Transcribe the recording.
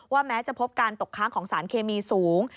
แม้จะพบการตกค้างของสารเคมีสูง